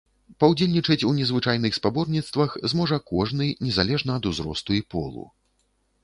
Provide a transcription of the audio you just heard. Паўдзельнічаць у незвычайных спаборніцтвах зможа кожны, незалежна ад узросту і полу.